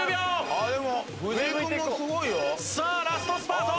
さあラストスパート。